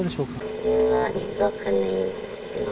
自分はちょっと分かんないです。